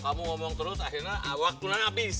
kamu ngomong terus akhirnya waktunya habis